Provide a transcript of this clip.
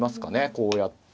こうやって。